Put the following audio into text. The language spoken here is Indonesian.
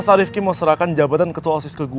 asal rifqi mau serahkan jabatan ketua osis ke gue